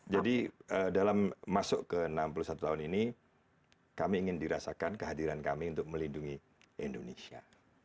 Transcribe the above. jadi dalam masuk ke enam puluh satu tahun ini kami ingin dirasakan kehadiran kami untuk melindungi indonesia